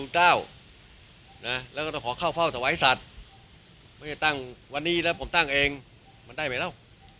จะขอเข้าเฝ้าตะไว้สัตว์ไม่ได้ตั้งวันนี้แล้วผมตั้งเองมันได้ไหมเล่า